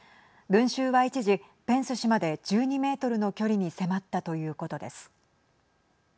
群衆は一時、ペンス氏まで１２メートルの距離に迫ったということです。